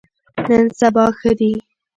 نن سبا ښه دي.